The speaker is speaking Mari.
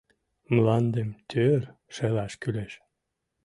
Мландым тӧр шелаш кӱлеш.